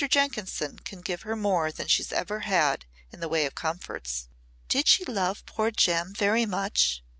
Jenkinson can give her more than she's ever had in the way of comforts." "Did she love poor Jem very much?"